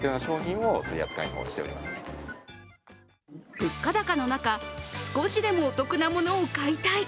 物価高の中、少しでもお得なものを買いたい！